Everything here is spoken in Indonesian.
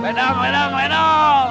medan medan medan